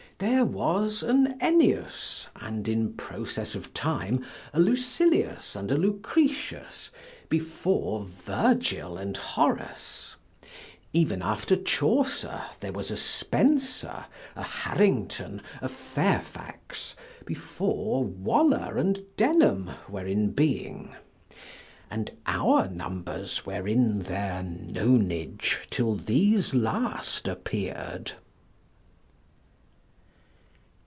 There was an Ennius, and in process of time a Lucilius and a Lucretius, before Virgil and Horace; even after Chaucer there was a Spenser, a Harrington, a Fairfax, before Waller and Denham were in being: and our numbers were in their nonage till these last appear'd.